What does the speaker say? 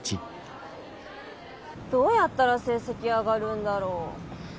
どうやったら成績上がるんだろ。